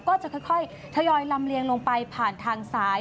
ก็จะค่อยทยอยลำเลียงลงไปผ่านทางซ้าย